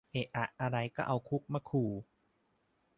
เอะอะอะไรก็เอาคุกมาขู่